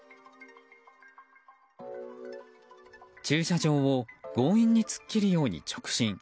駐車場を強引に突っ切るように直進。